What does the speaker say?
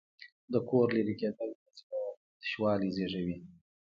د کوره لرې کېدل د زړه تشوالی زېږوي.